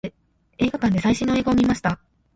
映画館で最新の映画を見ました。